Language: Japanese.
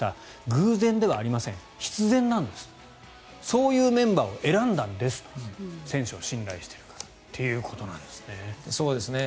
偶然ではありません必然なんですそういうメンバーを選んだんですと選手を信頼しているからということなんですね。